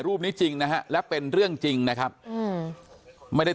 รูปนี้จริงนะฮะและเป็นเรื่องจริงนะครับอืมไม่ได้